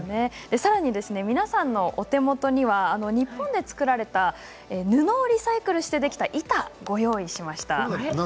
さらに皆さんのお手元には日本で作られた布をリサイクルしてできた板をご用意しました。